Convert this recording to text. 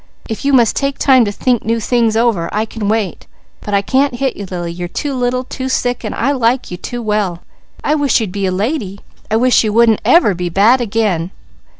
If you must take time to think new things over, I can wait; but I can't hit you Lily, you're too little, too sick, and I like you too well. I wish you'd be a lady! I wish you wouldn't ever be bad again!"